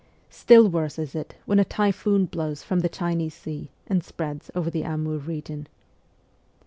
Still worse is it when a typhoon blows from the Chinese Sea and spreads over the Amur region.